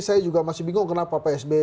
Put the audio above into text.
saya juga masih bingung kenapa pak sby